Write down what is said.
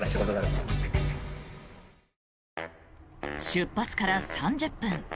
出発から３０分。